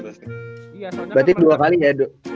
berarti dua kali ya